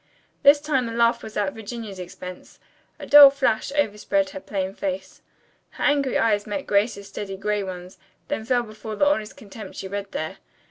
This time the laugh was at Virginia's expense. A dull flush overspread her plain face. Her angry eyes met Grace's steady gray ones, then fell before the honest contempt she read there.